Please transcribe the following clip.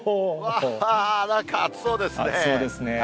なんか暑そうですね。